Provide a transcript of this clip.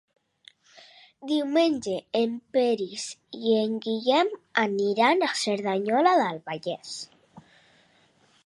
Diumenge en Peris i en Guillem aniran a Cerdanyola del Vallès.